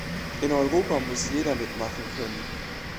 In Europa muss jeder mitmachen können.